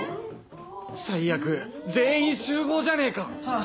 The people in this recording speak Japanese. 最悪全員集合じゃねえか